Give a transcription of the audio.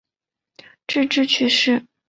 致仕去世。